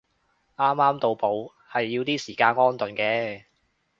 啱啱到埗係要啲時間安頓嘅